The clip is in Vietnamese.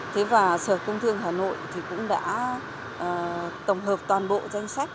thế và sở công thương hà nội thì cũng đã tổng hợp toàn bộ danh sách